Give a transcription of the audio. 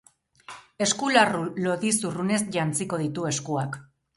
Eskularru lodi zurrunez jantziko ditu eskuak.